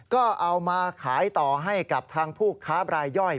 ก็เอามาขายต่อให้กับทางผู้ค้าบรายย่อย